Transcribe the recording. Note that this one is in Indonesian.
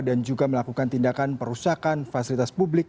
dan juga melakukan tindakan perusahaan fasilitas publik